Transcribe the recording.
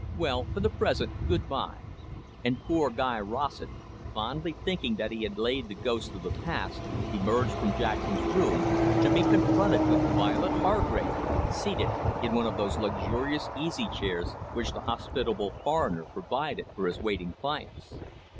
Well, for the present, good bye." And poor Guy Rossett, fondly thinking that he had laid the ghosts of the past, emerged from Jackson's room to be confronted with Violet Hargrave, seated in one of those luxurious easy chairs which the hospitable foreigner provided for his waiting clients.